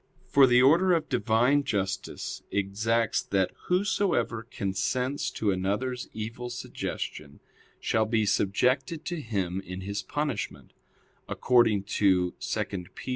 For the order of Divine justice exacts that whosoever consents to another's evil suggestion, shall be subjected to him in his punishment; according to (2 Pet.